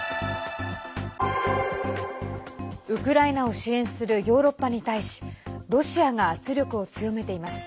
ウクライナを支援するヨーロッパに対しロシアが圧力を強めています。